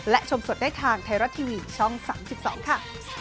และชมสดได้ทางไทยรัฐทีวีช่อง๓๒ค่ะ